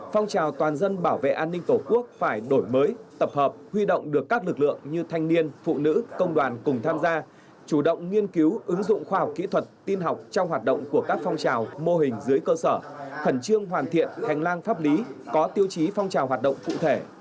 phong trào toàn dân bảo vệ an ninh tổ quốc phải đổi mới tập hợp huy động được các lực lượng như thanh niên phụ nữ công đoàn cùng tham gia chủ động nghiên cứu ứng dụng khoa học kỹ thuật tiên học trong hoạt động của các phong trào mô hình dưới cơ sở khẩn trương hoàn thiện hành lang pháp lý có tiêu chí phong trào hoạt động cụ thể